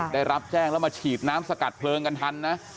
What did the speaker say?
ได้รับแจ้งแล้วมาฉีดน้ำสกัดเพลิงกันทันนะ